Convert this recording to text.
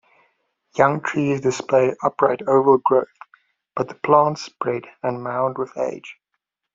Young trees display upright oval growth, but the plants spread and mound with age.